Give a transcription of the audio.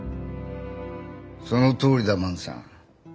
そのとおりだ万さん。